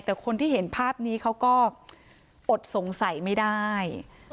แต่คนที่เห็นภาพนี้เขาก็อดสงสัยไม่ได้